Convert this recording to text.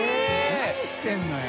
何してるのよ？